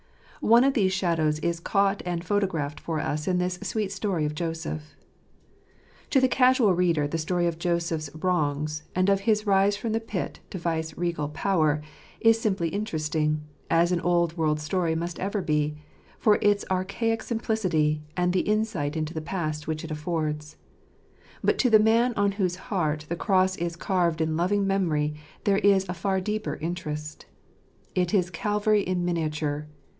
One of these shadows is caught and photographed for us in this sweet story of Joseph. To the casual reader the story of Joseph's wrongs, and of his rise from the pit to vice regal power, is simply interesting, as an old world story must ever be, for its archaic simplicity and the insight into the past which it affords. But to the man on whose heart the cross is carved in loving memory there is a far deeper interest. It is Calvary in miniature.